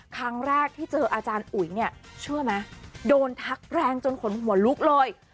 ครั้งแรกที่เจออาจารย์อุ๋ยเนี่ยเชื่อไหมโดนทักแรงจนขนหัวลุกเลย